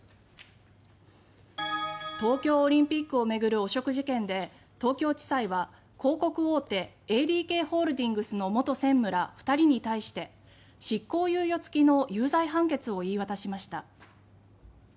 東京オリンピックを巡る汚職事件で東京地裁は広告大手ＡＤＫホールディングスの元専務ら２人に対して執行猶予付きの有罪判決を言い渡しました。